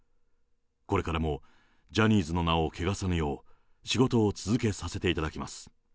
これからもジャニーズの名を汚さぬよう、仕事を続けさせていただきます。